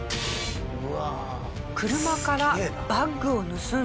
車からバッグを盗んだ泥棒。